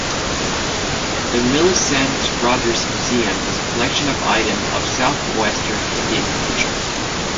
The Millicent Rogers Museum is a collection of item of Southwestern Indian culture.